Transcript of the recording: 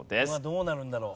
どうなるんだろう？